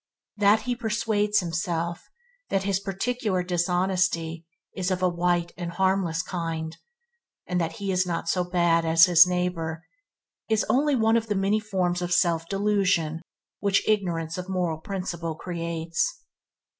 That he persuades himself that his particular dishonesty is of a white and harmless kind, and that he is not so bad as his neighbour, is only of the many forms of self delusion which ignorance of moral principles creates.